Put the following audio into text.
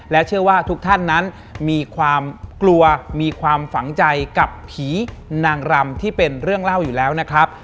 เชื่อว่าทุกท่านนั้นมีความกลัวมีความฝังใจกับผีนางรำที่เป็นเรื่องเล่าอยู่แล้วนะครับ